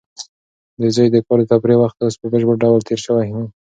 د زوی د کار د تفریح وخت اوس په بشپړ ډول تېر شوی و.